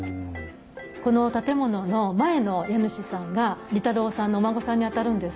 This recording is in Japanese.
この建物の前の家主さんが利太郎さんのお孫さんにあたるんですけども